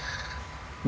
beri cerita ya bro